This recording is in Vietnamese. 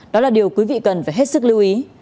đó là điều quý vị cần phải hết sức lưu ý